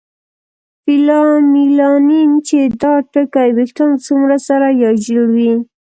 فیومیلانین چې دا ټاکي ویښتان څومره سره یا ژېړ وي.